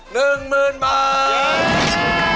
๑หมื่นบาท